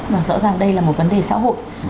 mà rõ ràng đây là một vấn đề xã hội